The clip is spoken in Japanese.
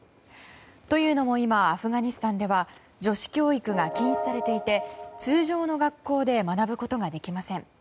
というのも今アフガニスタンでは女子教育が禁止されていて通常の学校で学ぶことができません。